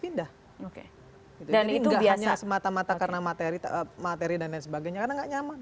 jadi nggak hanya semata mata karena materi dan lain sebagainya karena nggak nyaman